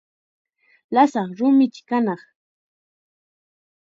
Lasaq rumichi kanaq.